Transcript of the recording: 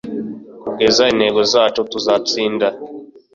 kugeza intego zacu tuzatsinda,